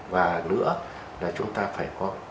và nữa là chúng ta phải có